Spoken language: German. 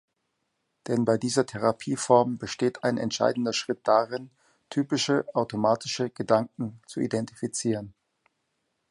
Denn bei dieser Therapieform besteht ein entscheidender Schritt darin, typische automatische Gedanken zu identifizieren.